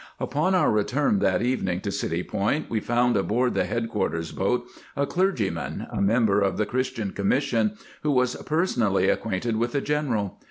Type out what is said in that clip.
Upon our return that evening to City Point, we found aboard the headquarters boat a clergyman, a member of the Christian Commission, who was personally ac quainted with the general.